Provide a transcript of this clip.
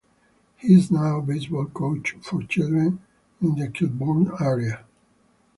He is now a baseball coach for children in the Kilbourne area.